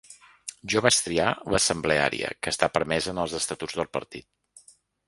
Jo vaig triar l’assembleària, que està permesa en els estatuts del partit.